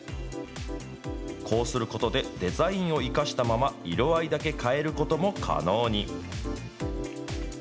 こうすることで、デザインを生かしたまま、色合いだけ変えることも可能に。